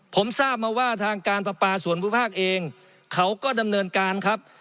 ผมทราบมาว่าทางการประปาส่วนภูมิภาคเองเขาก็ดำเนินการครับ